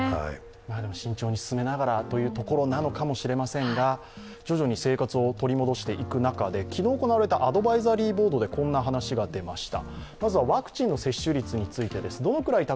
慎重に進めながらというところなのかもしれませんが、徐々に生活を取り戻していく中で昨日行われたアドバイザリーボードでこんな話が出ました。